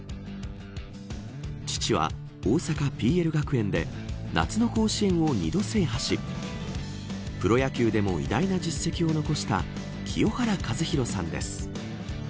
父は、大阪ＰＬ学園で夏の甲子園を２度制覇しプロ野球でも偉大な実績を残した清原和博さんです。